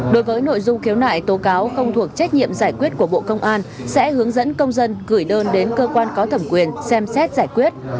đối với nội dung khiếu nại tố cáo không thuộc trách nhiệm giải quyết của bộ công an sẽ hướng dẫn công dân gửi đơn đến cơ quan có thẩm quyền xem xét giải quyết